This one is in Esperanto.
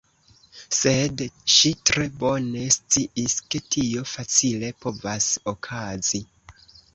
Sed ŝi tre bone sciis ke tio facile povas okazi.